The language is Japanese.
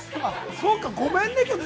そうか、ごめんね、きょう。